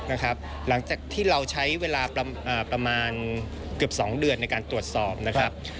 นะครับหลังจากเราใช้เวลาประมาณเกือบสองเดือนตัวต้มนะครับ